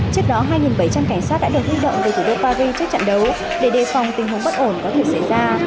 trước đó hai bảy trăm linh cảnh sát đã được huy động về thủ đô paris trước trận đấu để đề phòng tình huống bất ổn có thể xảy ra